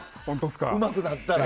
うまくなったら。